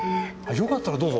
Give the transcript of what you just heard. よかったらどうぞ。